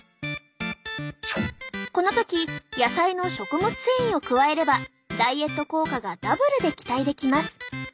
この時野菜の食物繊維を加えればダイエット効果がダブルで期待できます。